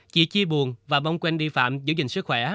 chị chi buồn và mong wendy phạm giữ gìn